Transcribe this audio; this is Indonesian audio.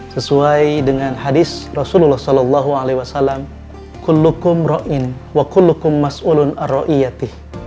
sesuai dengan hadis rasulullah saw